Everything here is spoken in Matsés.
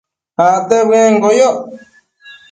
Acte bëenquio yoc